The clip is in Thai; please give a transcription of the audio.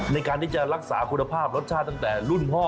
ในการที่จะรักษาคุณภาพรสชาติตั้งแต่รุ่นพ่อ